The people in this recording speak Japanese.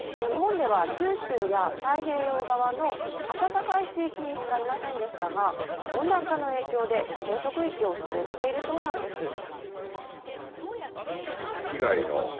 日本では九州や太平洋側の暖かい地域にしかいませんでしたが、温暖化の影響で生息域を広げているそうなんです。